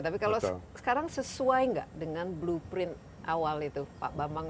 tapi kalau sekarang sesuai nggak dengan blueprint awal itu pak bambang